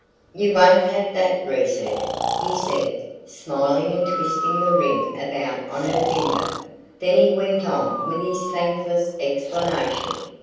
"You won't have that reset?" he said, smiling and twisting the ring about on her finger; then he went on with his thankless explanation.